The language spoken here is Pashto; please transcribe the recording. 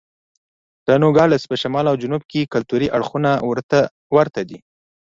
د نوګالس په شمال او جنوب کې کلتوري اړخونه ورته دي.